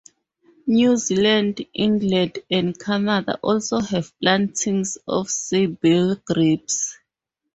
New Zealand, England, and Canada also have plantings of Seibel grapes.